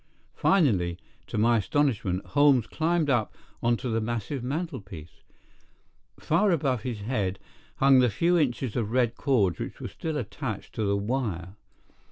Finally, to my astonishment, Holmes climbed up on to the massive mantelpiece. Far above his head hung the few inches of red cord which were still attached to the wire.